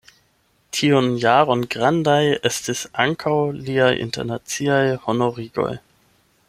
Tiun jaron grandaj estis ankaŭ liaj internaciaj honorigoj.